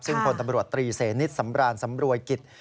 ซึ่งพลตำรวจตรีเสนิทสำรานสำรวยกิจ